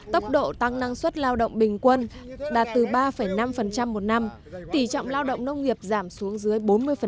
tốc độ tăng năng suất lao động bình quân đạt từ ba năm một năm tỷ trọng lao động nông nghiệp giảm xuống dưới bốn mươi